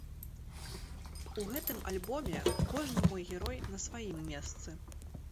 У гэтым альбоме кожны мой герой на сваім месцы.